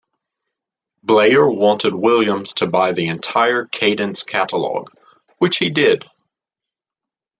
Bleyer wanted Williams to buy the entire Cadence catalogue, which he did.